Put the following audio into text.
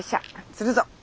釣るぞ。